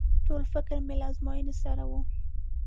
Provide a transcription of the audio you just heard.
ټول فکر مې له ازموينې سره و.